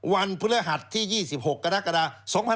วันพฤหัสที่๒๖กรกฎา๒๕๖๒